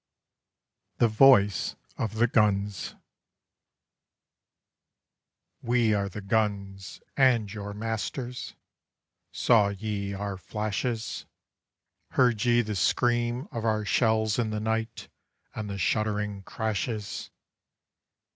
THE VOICE OF THE GUNS We are the guns, and your masters! Saw ye our flashes? Heard ye the scream of our shells in the night, and the shuddering crashes?